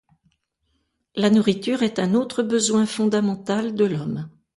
La nourriture est un autre besoin fondamental de l'homme.